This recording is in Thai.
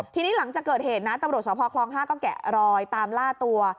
ทีนี้หลังจากเกิดเหตุนะตำรวจสภคลอง๕ก็แกะรอยตามล่าตัว